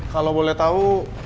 kalo boleh tau